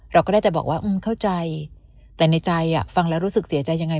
เราก็ได้แต่บอกว่าเข้าใจแต่ในใจฟังแล้วรู้สึกเสียใจยังไง